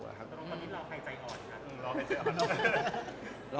ตรงนี้รอใครใจอ่อนครับ